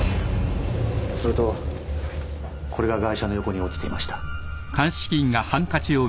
それとこれがガイ者の横に落ちていました。